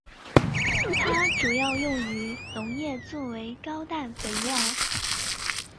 它主要用于农业作为高氮肥料。